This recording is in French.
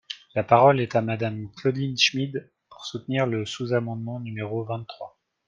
La parole est à Madame Claudine Schmid, pour soutenir le sous-amendement numéro vingt-trois.